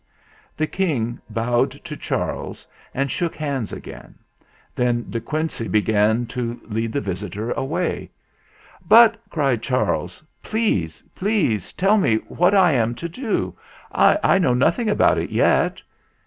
The King bowed to Charles and shook THE ZAGABOG'S MESSAGE 197 hands again. Then De Quincey began to lead the visitor away. "But," cried Charles, "please, please tell me what I am to do. I know nothing about it yet!"